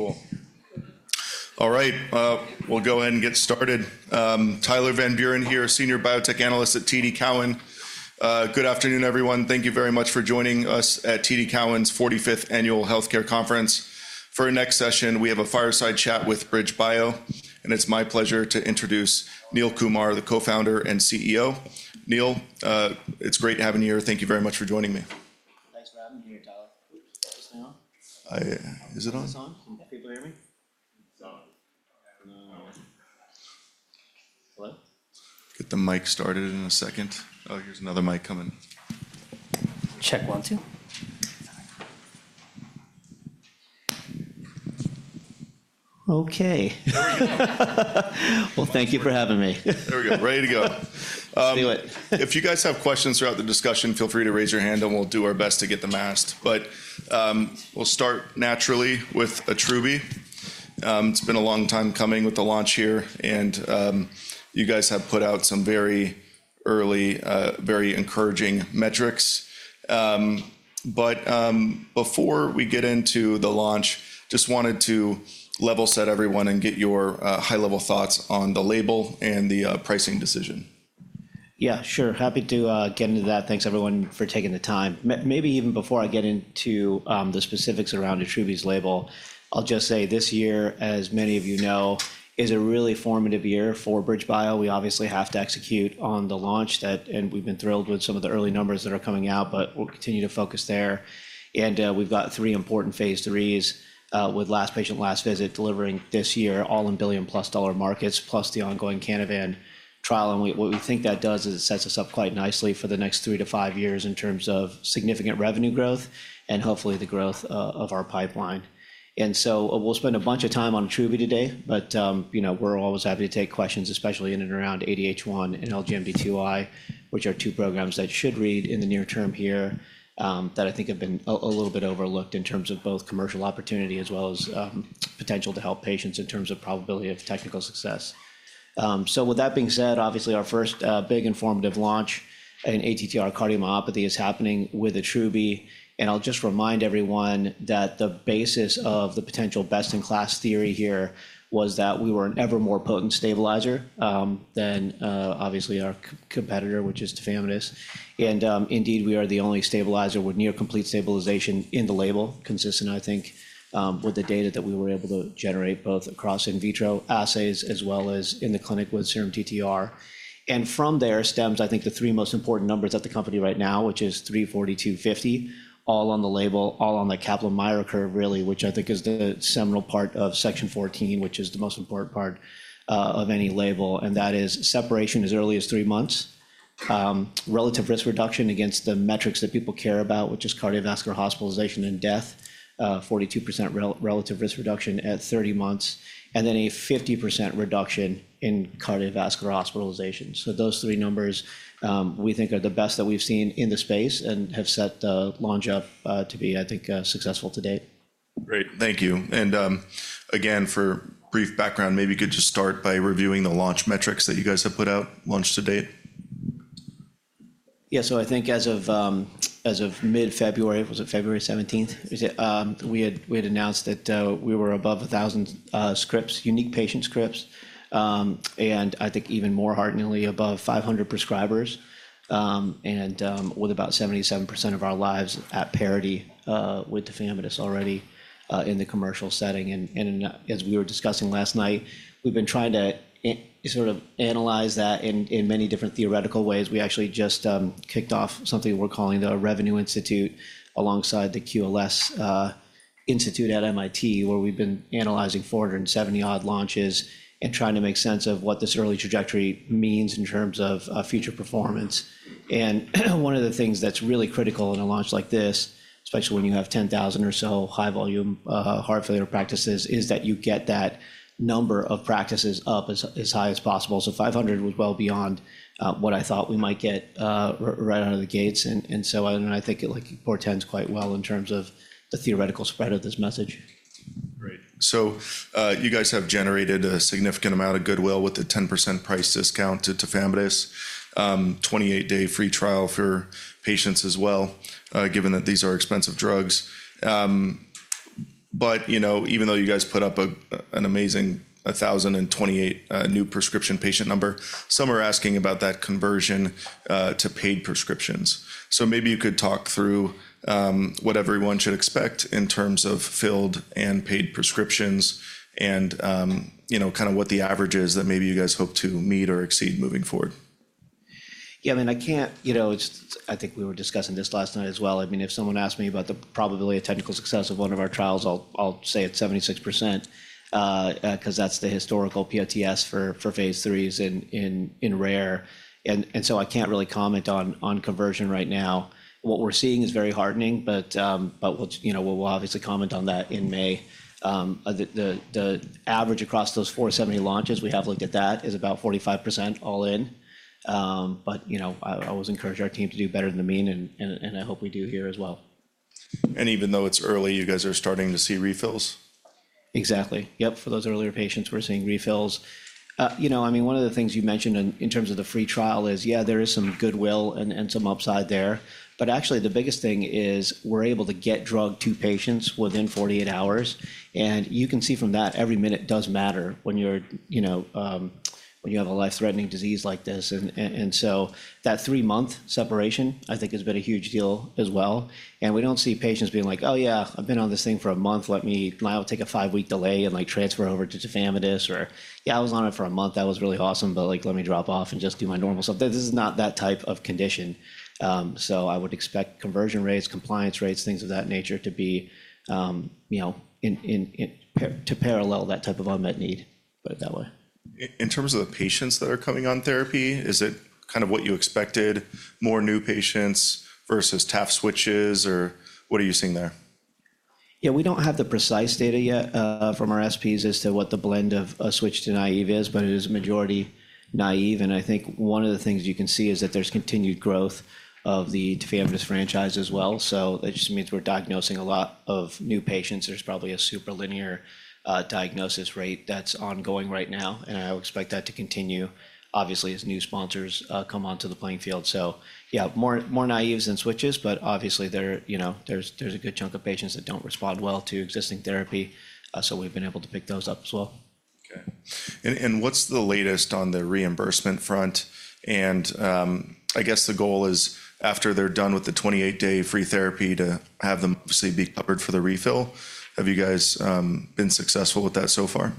Cool. All right, we'll go ahead and get started. Tyler Van Buren here, Senior Biotech Analyst at TD Cowen. Good afternoon, everyone. Thank you very much for joining us at TD Cowen's 45th Annual Healthcare Conference. For our next session, we have a fireside chat with BridgeBio, and it's my pleasure to introduce Neil Kumar, the Co-founder and CEO. Neil, it's great having you here. Thank you very much for joining me. Thanks for having me here, Tyler. Is it on? Is it on? Can people hear me? Hello? Get the mic started in a second. Oh, here's another mic coming. Check one, two. Okay. Thank you for having me. There we go. Ready to go. Do it. If you guys have questions throughout the discussion, feel free to raise your hand, and we'll do our best to get them asked. But we'll start naturally with Attruby. It's been a long time coming with the launch here, and you guys have put out some very early, very encouraging metrics. But before we get into the launch, just wanted to level set everyone and get your high-level thoughts on the label and the pricing decision. Yeah, sure. Happy to get into that. Thanks, everyone, for taking the time. Maybe even before I get into the specifics around Attruby's label, I'll just say this year, as many of you know, is a really formative year for BridgeBio. We obviously have to execute on the launch that, and we've been thrilled with some of the early numbers that are coming out, but we'll continue to focus there, and we've got three important phase IIIs with last patient, last visit delivering this year, all in billion-plus dollar markets, plus the ongoing Canavan trial, and what we think that does is it sets us up quite nicely for the next three to five years in terms of significant revenue growth and hopefully the growth of our pipeline. We'll spend a bunch of time on Attruby today, but we're always happy to take questions, especially in and around ADH1 and LGMD2I, which are two programs that should read in the near term here that I think have been a little bit overlooked in terms of both commercial opportunity as well as potential to help patients in terms of probability of technical success. With that being said, obviously our first big informative launch in ATTR cardiomyopathy is happening with Attruby. I'll just remind everyone that the basis of the potential best-in-class theory here was that we were an even more potent stabilizer than obviously our competitor, which is Tafamidis. And indeed, we are the only stabilizer with near complete stabilization in the label, consistent, I think, with the data that we were able to generate both across in vitro assays as well as in the clinic with serum TTR. And from there stems, I think, the three most important numbers at the company right now, which is 340, 250, all on the label, all on the Kaplan-Meier curve really, which I think is the seminal part of section 14, which is the most important part of any label. And that is separation as early as three months, relative risk reduction against the metrics that people care about, which is cardiovascular hospitalization and death, 42% relative risk reduction at 30 months, and then a 50% reduction in cardiovascular hospitalization. So those three numbers we think are the best that we've seen in the space and have set the launch up to be, I think, successful to date. Great. Thank you. And again, for brief background, maybe you could just start by reviewing the launch metrics that you guys have put out launch to date. Yeah, so I think as of mid-February, it was February 17th, we had announced that we were above 1,000 scripts, unique patient scripts, and I think even more hearteningly above 500 prescribers and with about 77% of our lives at parity with Tafamidis already in the commercial setting. And as we were discussing last night, we've been trying to sort of analyze that in many different theoretical ways. We actually just kicked off something we're calling the Revenue Institute alongside the QLS Institute at MIT, where we've been analyzing 470-odd launches and trying to make sense of what this early trajectory means in terms of future performance. And one of the things that's really critical in a launch like this, especially when you have 10,000 or so high-volume heart failure practices, is that you get that number of practices up as high as possible. So 500 was well beyond what I thought we might get right out of the gates. And so I think it portends quite well in terms of the theoretical spread of this message. Great. So you guys have generated a significant amount of goodwill with the 10% price discount to Tafamidis, 28-day free trial for patients as well, given that these are expensive drugs. But even though you guys put up an amazing 1,028 new prescription patient number, some are asking about that conversion to paid prescriptions. So maybe you could talk through what everyone should expect in terms of filled and paid prescriptions, and kind of what the average is that maybe you guys hope to meet or exceed moving forward. Yeah, I mean, I can't, you know, I think we were discussing this last night as well. I mean, if someone asked me about the probability of technical success of one of our trials, I'll say it's 76% because that's the historical POTS for phase III's in rare. And so I can't really comment on conversion right now. What we're seeing is very heartening, but we'll obviously comment on that in May. The average across those 470 launches we have looked at, that is about 45% all in. But I always encourage our team to do better than the mean, and I hope we do here as well. Even though it's early, you guys are starting to see refills? Exactly. Yeah, for those earlier patients, we're seeing refills. You know, I mean, one of the things you mentioned in terms of the free trial is, yeah, there is some goodwill and some upside there. But actually, the biggest thing is we're able to get drug to patients within 48 hours. And you can see from that every minute does matter when you have a life-threatening disease like this. And so that three-month separation, I think, has been a huge deal as well. And we don't see patients being like, "Oh yeah, I've been on this thing for a month. Now I'll take a five-week delay and transfer over to Tafamidis." Or, "Yeah, I was on it for a month. That was really awesome, but let me drop off and just do my normal stuff." This is not that type of condition. So I would expect conversion rates, compliance rates, things of that nature to be parallel that type of unmet need, put it that way. In terms of the patients that are coming on therapy, is it kind of what you expected, more new patients versus TAF switches, or what are you seeing there? Yeah, we don't have the precise data yet from our SPs as to what the blend of switch to naive is, but it is majority naive. And I think one of the things you can see is that there's continued growth of the Tafamidis franchise as well. So that just means we're diagnosing a lot of new patients. There's probably a super-linear diagnosis rate that's ongoing right now. And I expect that to continue, obviously, as new sponsors come onto the playing field. So yeah, more naives than switches, but obviously there's a good chunk of patients that don't respond well to existing therapy. So we've been able to pick those up as well. Okay. And what's the latest on the reimbursement front? And I guess the goal is after they're done with the 28-day free therapy to have them obviously be covered for the refill. Have you guys been successful with that so far?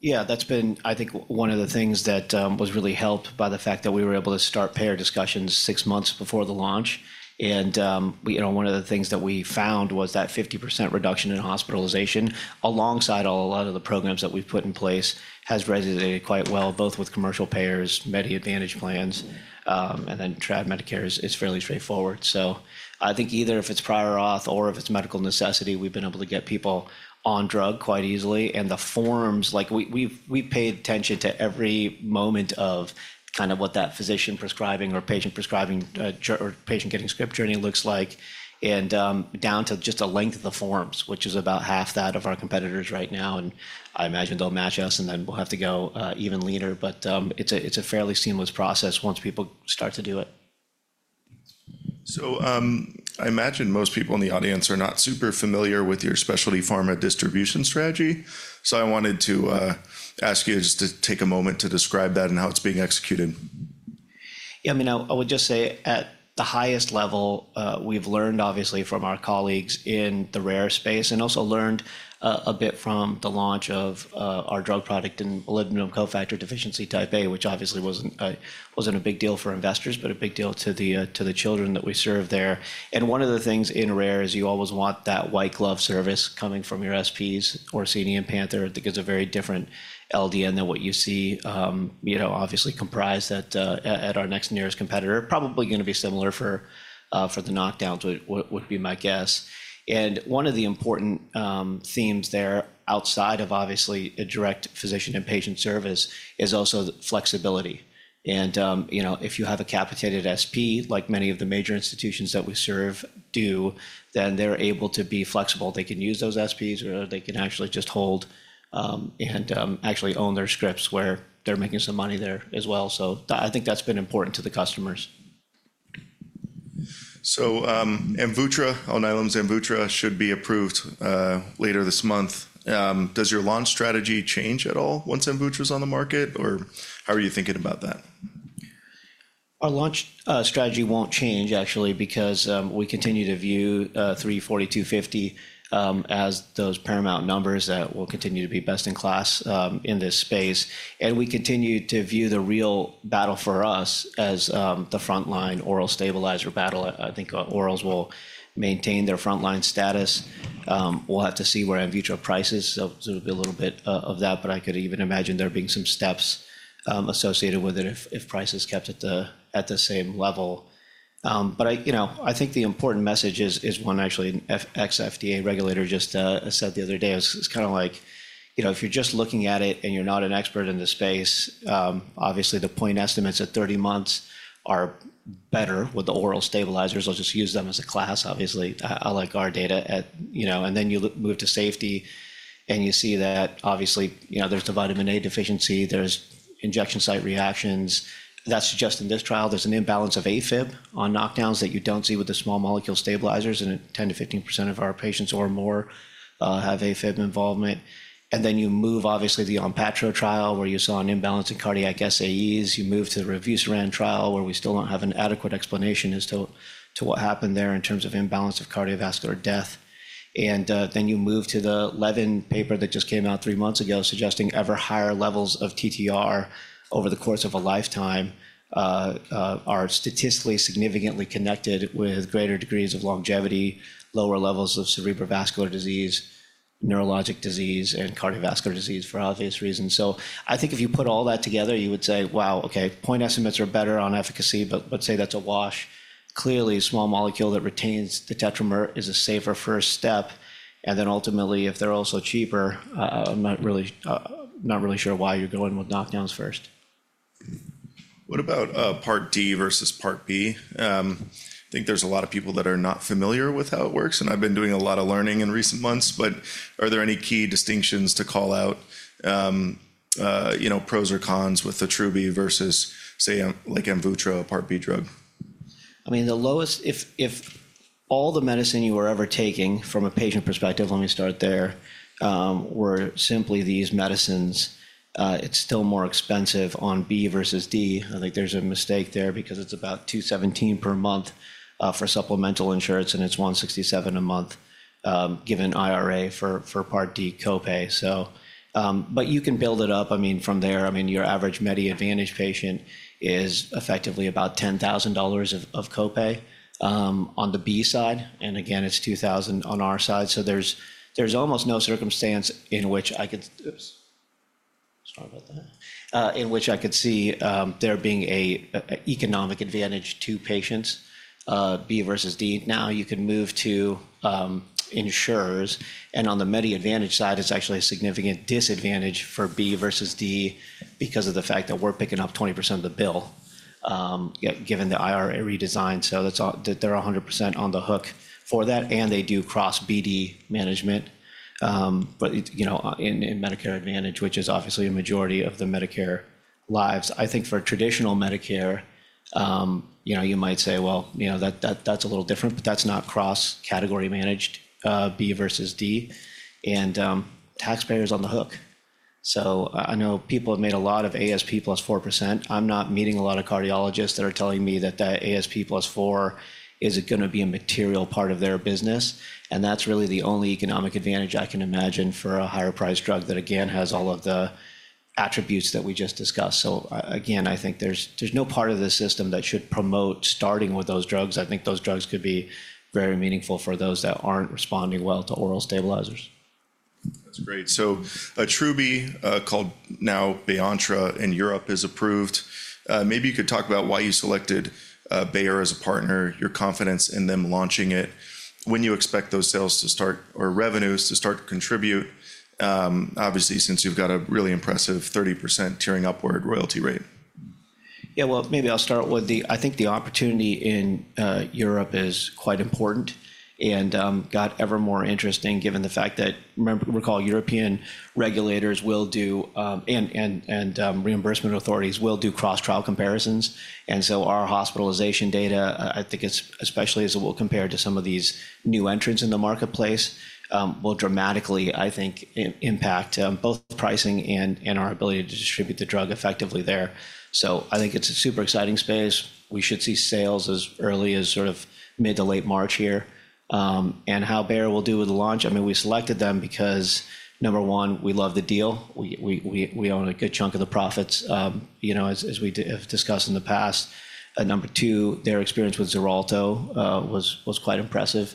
Yeah, that's been, I think, one of the things that was really helped by the fact that we were able to start payer discussions six months before the launch. And one of the things that we found was that 50% reduction in hospitalization alongside a lot of the programs that we've put in place has resonated quite well, both with commercial payers, Medicare Advantage plans, and then traditional Medicare is fairly straightforward. So I think either if it's prior auth or if it's medical necessity, we've been able to get people on drug quite easily. And the forms, like we've paid attention to every moment of kind of what that physician prescribing or patient prescribing or patient getting script journey looks like, and down to just the length of the forms, which is about half that of our competitors right now. And I imagine they'll match us, and then we'll have to go even leaner. But it's a fairly seamless process once people start to do it. So I imagine most people in the audience are not super familiar with your specialty pharma distribution strategy. So I wanted to ask you just to take a moment to describe that and how it's being executed. Yeah, I mean, I would just say at the highest level, we've learned obviously from our colleagues in the rare space and also learned a bit from the launch of our drug product in Molybdenum Cofactor Deficiency Type A, which obviously wasn't a big deal for investors, but a big deal to the children that we serve there. One of the things in rare is you always want that white glove service coming from your SPs or PANTHERx Rare. It gives a very different LDN than what you see, obviously comprised at our next nearest competitor. Probably going to be similar for the knockdowns would be my guess. One of the important themes there outside of obviously a direct physician and patient service,, is also flexibility. If you have a capitated SP, like many of the major institutions that we serve do, then they're able to be flexible. They can use those SPs or they can actually just hold and actually own their scripts where they're making some money there as well. I think that's been important to the customers. Amvuttra, Alnylam, [Zembutra] should be approved later this month. Does your launch strategy change at all once Amvuttra is on the market, or how are you thinking about that? Our launch strategy won't change actually because we continue to view 340, 250 as those paramount numbers that will continue to be best in class in this space. And we continue to view the real battle for us as the frontline oral stabilizer battle. I think orals will maintain their frontline status. We'll have to see where Amvuttra prices. There will be a little bit of that, but I could even imagine there being some steps associated with it if prices kept at the same level. But I think the important message is one actually an ex-FDA regulator just said the other day. It's kind of like if you're just looking at it and you're not an expert in the space, obviously the point estimates at 30 months are better with the oral stabilizers. I'll just use them as a class, obviously. I like our data, and then you move to safety, and you see that obviously there's the vitamin A deficiency, there's injection site reactions. That's just in this trial. There's an imbalance of AFib on knockdowns that you don't see with the small molecule stabilizers, and 10%-15% of our patients or more have AFib involvement. And then you move obviously the Onpattro trial where you saw an imbalance in cardiac SAEs. You move to the Revusiran trial where we still don't have an adequate explanation as to what happened there in terms of imbalance of cardiovascular death. And then you move to the Levin paper that just came out three months ago suggesting ever higher levels of TTR over the course of a lifetime are statistically significantly connected with greater degrees of longevity, lower levels of cerebrovascular disease, neurologic disease, and cardiovascular disease for obvious reasons. I think if you put all that together, you would say, wow, okay, point estimates are better on efficacy, but let's say that's a wash. Clearly, a small molecule that retains the tetramer is a safer first step, and then ultimately, if they're also cheaper, I'm not really sure why you're going with knockdowns first. What about Part D versus Part B? I think there's a lot of people that are not familiar with how it works, and I've been doing a lot of learning in recent months, but are there any key distinctions to call out, you know, pros or cons with the Attruby versus say like Amvuttra, a Part B drug? I mean, the lowest, if all the medicine you were ever taking from a patient perspective, let me start there, were simply these medicines, it's still more expensive on B versus D. I think there's a mistake there because it's about $217 per month for supplemental insurance and it's $167 a month given IRA for part D copay. But you can build it up. I mean, from there, I mean, your average Medicare Advantage patient is effectively about $10,000 of copay on the B side. And again, it's $2,000 on our side. So there's almost no circumstance in which I could, sorry about that, in which I could see there being an economic advantage to patients B versus D. Now you can move to insurers. And on the Medicare Advantage side, it's actually a significant disadvantage for B versus D because of the fact that we're picking up 20% of the bill given the IRA redesign. So they're 100% on the hook for that. And they do cross BD management in Medicare Advantage, which is obviously a majority of the Medicare lives. I think for traditional Medicare, you might say, well, you know, that's a little different, but that's not cross-category managed B versus D. And taxpayers on the hook. So I know people have made a lot of ASP +4%. I'm not meeting a lot of cardiologists that are telling me that ASP +4% is going to be a material part of their business. And that's really the only economic advantage I can imagine for a higher-price drug that again has all of the attributes that we just discussed. So again, I think there's no part of the system that should promote starting with those drugs. I think those drugs could be very meaningful for those that aren't responding well to oral stabilizers. That's great. So Attruby called now Beyonttra in Europe is approved. Maybe you could talk about why you selected Bayer as a partner, your confidence in them launching it, when you expect those sales to start or revenues to start to contribute, obviously since you've got a really impressive 30% tiering upward royalty rate. Yeah, well, maybe I'll start with the, I think the opportunity in Europe is quite important and got ever more interesting given the fact that, remember, recall European regulators will do and reimbursement authorities will do cross-trial comparisons. And so our hospitalization data, I think especially as it will compare to some of these new entrants in the marketplace, will dramatically, I think, impact both pricing and our ability to distribute the drug effectively there. So I think it's a super exciting space. We should see sales as early as sort of mid to late March here. And how Bayer will do with the launch, I mean, we selected them because number one, we love the deal. We own a good chunk of the profits as we've discussed in the past. Number two, their experience with Xarelto was quite impressive.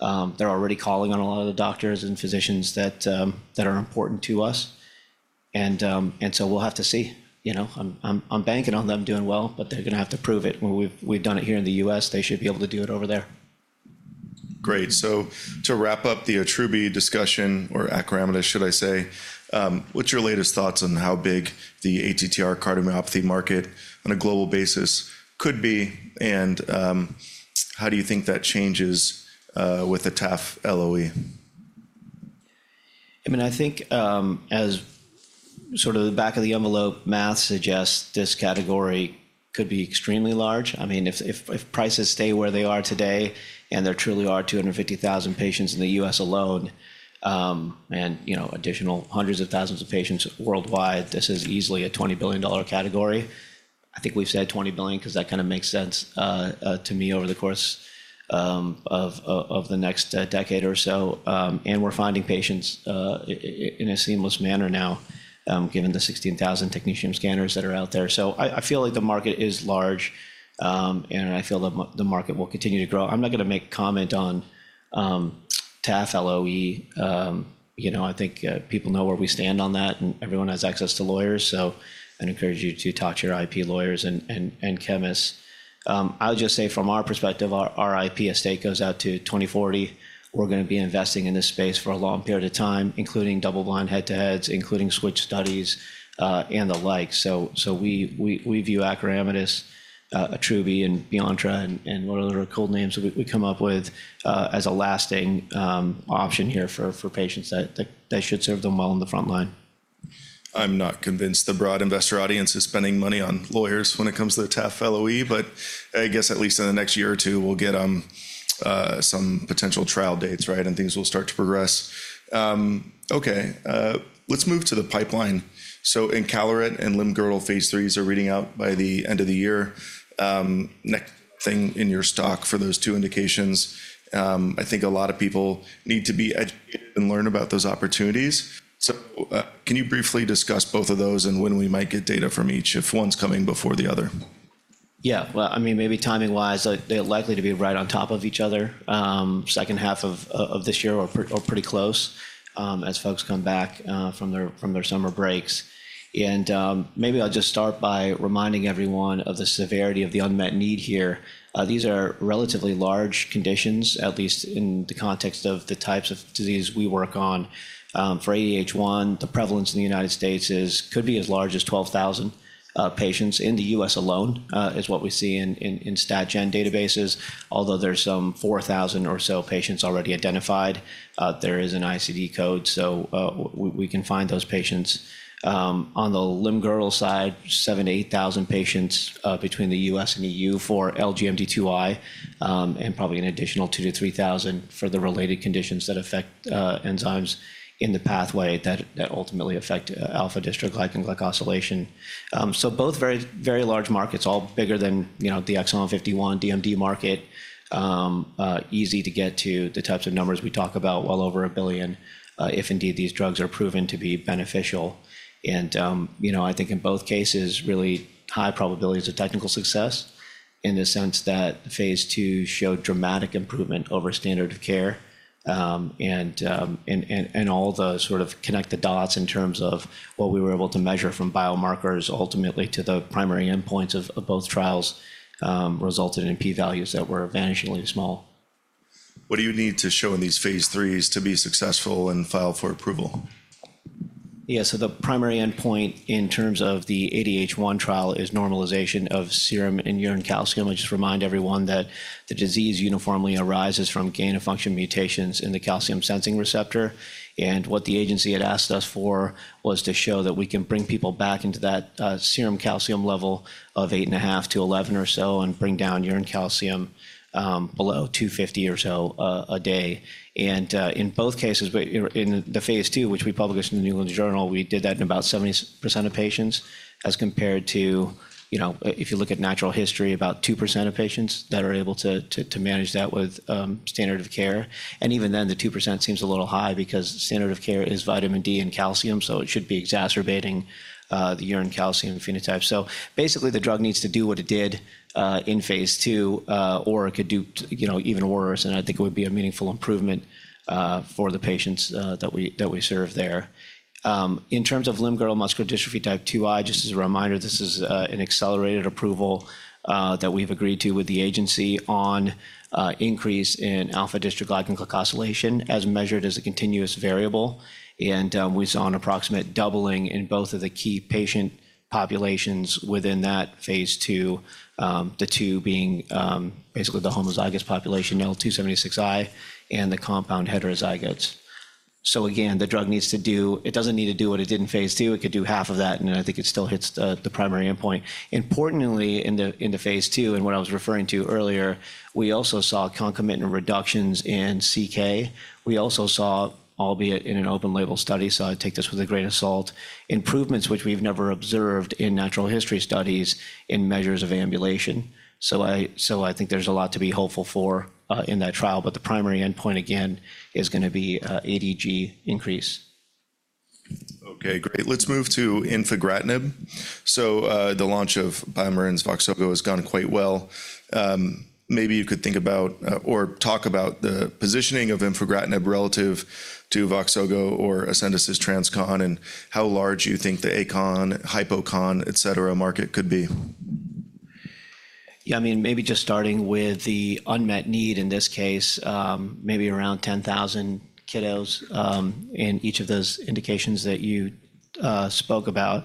They're already calling on a lot of the doctors and physicians that are important to us, and so we'll have to see. I'm banking on them doing well, but they're going to have to prove it. We've done it here in the U.S. They should be able to do it over there. Great. So to wrap up the Attruby discussion or acronym, should I say, what's your latest thoughts on how big the ATTR cardiomyopathy market on a global basis could be? And how do you think that changes with the Tafamidis LOE? I mean, I think as sort of the back-of-the-envelope math suggests, this category could be extremely large. I mean, if prices stay where they are today and there truly are 250,000 patients in the U.S. alone and additional hundreds of thousands of patients worldwide, this is easily a $20 billion category. I think we've said 20 billion because that kind of makes sense to me over the course of the next decade or so, and we're finding patients in a seamless manner now given the 16,000 technetium scanners that are out there, so I feel like the market is large and I feel the market will continue to grow. I'm not going to make comment on TAF LOE. I think people know where we stand on that and everyone has access to lawyers, so I'd encourage you to talk to your IP lawyers and chemists. I'll just say from our perspective, our IP estate goes out to 2040. We're going to be investing in this space for a long period of time, including double-blind head-to-heads, including switch studies and the like. So we view Acoramidis, Attruby, and beyond, and whatever cool names that we come up with as a lasting option here for patients that should serve them well on the front line. I'm not convinced the broad investor audience is spending money on lawyers when it comes to the TAF LOE, but I guess at least in the next year or two, we'll get some potential trial dates, right? And things will start to progress. Okay, let's move to the pipeline. So,, Encaleret and Limb-girdle phase III's are reading out by the end of the year. Next thing in your stock for those two indications, I think a lot of people need to be educated and learn about those opportunities. So can you briefly discuss both of those and when we might get data from each if one's coming before the other? Yeah, well, I mean, maybe timing-wise, they're likely to be right on top of each other second half of this year or pretty close as folks come back from their summer breaks, and maybe I'll just start by reminding everyone of the severity of the unmet need here. These are relatively large conditions, at least in the context of the types of disease we work on. For ADH1, the prevalence in the United States could be as large as 12,000 patients in the U.S. alone is what we see in StatGen databases. Although there's some 4,000 or so patients already identified, there is an ICD code. So we can find those patients. On the Limb-girdle side, 7,000-8,000 patients between the U.S. and EU for LGMD2I, and probably an additional 2,000-3,000 for the related conditions that affect enzymes in the pathway that ultimately affect α-dystroglycan glycosylation. Both very large markets, all bigger than the Exon 51 DMD market, easy to get to the types of numbers we talk about well over a billion if indeed these drugs are proven to be beneficial, and I think in both cases, really high probabilities of technical success in the sense that phase II showed dramatic improvement over standard of care and all the sort of connect the dots in terms of what we were able to measure from biomarkers ultimately to the primary endpoints of both trials resulted in P values that were vanishingly small. What do you need to show in these phase III's to be successful and file for approval? Yeah, so the primary endpoint in terms of the ADH1 trial is normalization of serum and urine calcium. I just remind everyone that the disease uniformly arises from gain-of-function mutations in the calcium-sensing receptor. And what the agency had asked us for was to show that we can bring people back into that serum calcium level of 8.5-11 or so and bring down urine calcium below 250 or so a day. And in both cases, in the phase II, which we published in the New England Journal, we did that in about 70% of patients as compared to, if you look at natural history, about 2% of patients that are able to manage that with standard of care. And even then the 2% seems a little high because standard of care is vitamin D and calcium, so it should be exacerbating the urine calcium phenotype. So basically the drug needs to do what it did in phase II or it could do even worse. And I think it would be a meaningful improvement for the patients that we serve there. In terms of Limb-girdle muscular dystrophy Type 2I, just as a reminder, this is an accelerated approval that we've agreed to with the agency on increase in α-dystroglycan glycosylation as measured as a continuous variable. And we saw an approximate doubling in both of the key patient populations within that phase II, the two being basically the homozygous population L276I and the compound heterozygotes. So again, the drug needs to do, it doesn't need to do what it did in phase II, it could do half of that, and I think it still hits the primary endpoint. Importantly, in the phase II and what I was referring to earlier, we also saw concomitant reductions in CK. We also saw, albeit in an open-label study, so I take this with a grain of salt, improvements which we've never observed in natural history studies in measures of ambulation. So I think there's a lot to be hopeful for in that trial, but the primary endpoint again is going to be ADG increase. Okay, great. Let's move to infigratinib. So the launch of BioMarin's Voxzogo has gone quite well. Maybe you could think about or talk about the positioning of infigratinib relative to Voxzogo or Ascendis TransCon and how large you think the achondroplasia, hypochondroplasia, et cetera market could be? Yeah, I mean, maybe just starting with the unmet need in this case, maybe around 10,000 kiddos in each of those indications that you spoke about.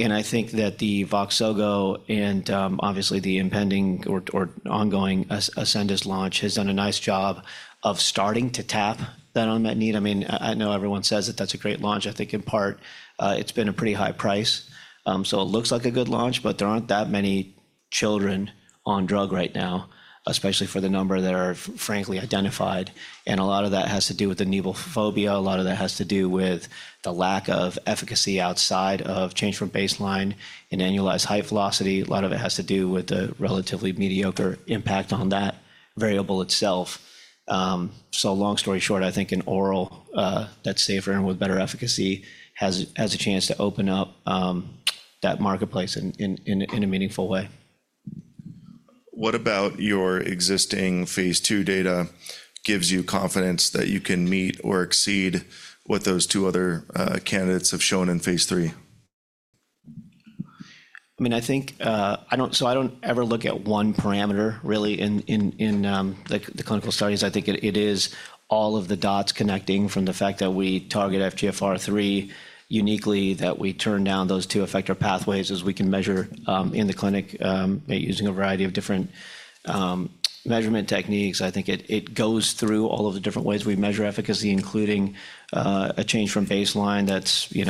And I think that the Voxzogo and obviously the impending or ongoing Ascendis launch has done a nice job of starting to tap that unmet need. I mean, I know everyone says that that's a great launch. I think in part it's been a pretty high price. So it looks like a good launch, but there aren't that many children on drug right now, especially for the number that are frankly identified. And a lot of that has to do with the needle phobia. A lot of that has to do with the lack of efficacy outside of change from baseline and annualized height velocity. A lot of it has to do with the relatively mediocre impact on that variable itself. So long story short, I think an oral that's safer and with better efficacy has a chance to open up that marketplace in a meaningful way. What about your existing phase II data gives you confidence that you can meet or exceed what those two other candidates have shown in phase III? I mean, I think, so I don't ever look at one parameter really in the clinical studies. I think it is all of the dots connecting from the fact that we target FGFR3 uniquely, that we turn down those two effector pathways as we can measure in the clinic using a variety of different measurement techniques. I think it goes through all of the different ways we measure efficacy, including a change from baseline that's in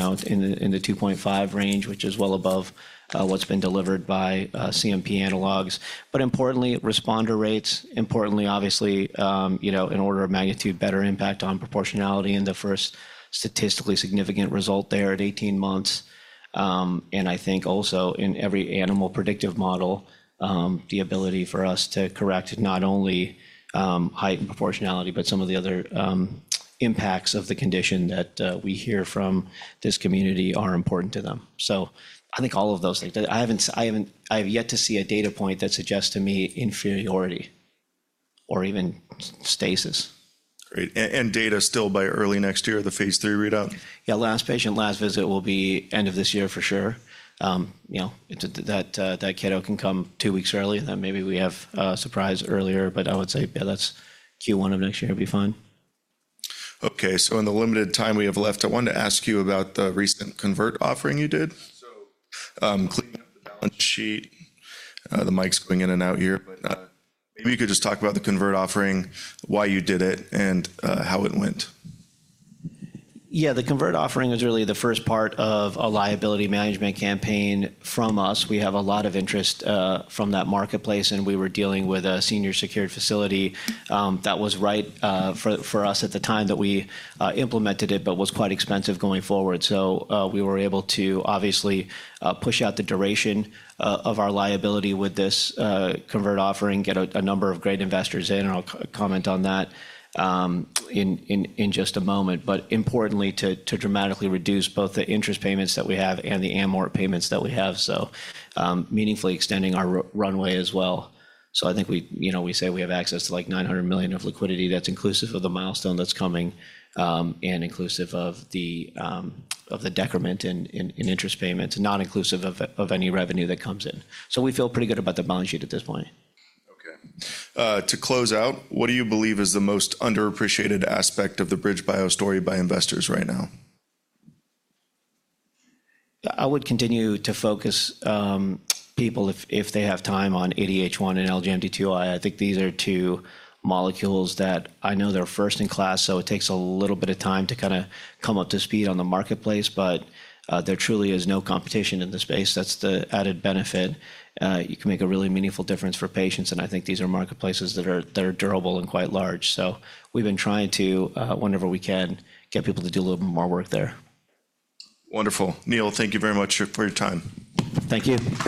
the 2.5 range, which is well above what's been delivered by CMP analogs. But importantly, responder rates, importantly, obviously in order of magnitude, better impact on proportionality in the first statistically significant result there at 18 months. I think also in every animal predictive model, the ability for us to correct not only height and proportionality, but some of the other impacts of the condition that we hear from this community are important to them. I think all of those things. I have yet to see a data point that suggests to me inferiority or even stasis. Great. And data still by early next year, the phase III readout? Yeah, last patient, last visit will be end of this year for sure. That kiddo can come two weeks early, then maybe we have a surprise earlier, but I would say, yeah, that's Q1 of next year would be fine. Okay, so in the limited time we have left, I wanted to ask you about the recent convertible offering you did. So cleaning up the balance sheet, the mic's going in and out here, but maybe you could just talk about the convertible offering, why you did it, and how it went. Yeah, the convert offering was really the first part of a liability management campaign from us. We have a lot of interest from that marketplace, and we were dealing with a senior secured facility that was right for us at the time that we implemented it, but was quite expensive going forward. So we were able to obviously push out the duration of our liability with this convert offering, get a number of great investors in, and I'll comment on that in just a moment. But importantly, to dramatically reduce both the interest payments that we have and the amort payments that we have, so meaningfully extending our runway as well. So I think we say we have access to like $900 million of liquidity that's inclusive of the milestone that's coming and inclusive of the decrement in interest payments and not inclusive of any revenue that comes in. So we feel pretty good about the balance sheet at this point. Okay. To close out, what do you believe is the most underappreciated aspect of the BridgeBio story by investors right now? I would continue to focus people, if they have time, on ADH1 and LGMD2I. I think these are two molecules that I know they're first in class, so it takes a little bit of time to kind of come up to speed on the marketplace, but there truly is no competition in the space. That's the added benefit. You can make a really meaningful difference for patients, and I think these are marketplaces that are durable and quite large. So we've been trying to, whenever we can, get people to do a little bit more work there. Wonderful. Neil, thank you very much for your time. Thank you.